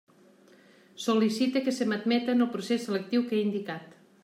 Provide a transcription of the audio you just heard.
Sol·licite que se m'admeta en el procés selectiu que he indicat.